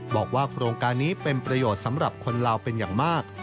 บอกว่าโครงการนี้เป็นประโยชน์สำหรับคนลาวเป็นอย่างมาก